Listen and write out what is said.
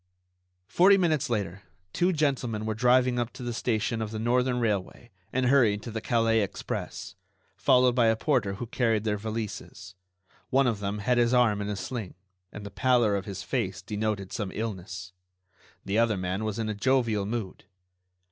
Forty minutes later two gentlemen were driven up to the station of the Northern Railway and hurried to the Calais express, followed by a porter who carried their valises. One of them had his arm in a sling, and the pallor of his face denoted some illness. The other man was in a jovial mood.